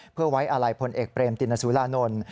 เพื่อไว้อาลัยพลเอกเบรมตินสุรานนท์